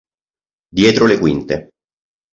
Dietro le quinte